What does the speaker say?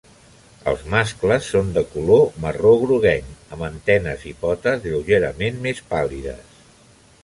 Els mascles són de color marró groguenc, amb antenes i potes lleugerament més pàl·lides.